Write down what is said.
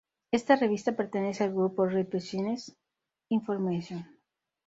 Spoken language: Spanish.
Esta revista pertenece al grupo Reed Business Information.